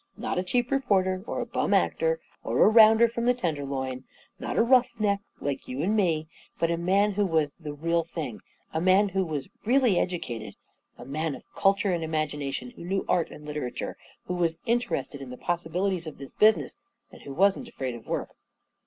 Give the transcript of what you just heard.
Not a cheap reporter, or a bum actor, or a rounder from the tenderloin. Not a rough neck like you and me ; but a man who was the real thing — a man who was really educated — a man of culture and imagina tion, who knew art and literature — who was inter ested in the possibilities of this business, and who wasn't afraid of work."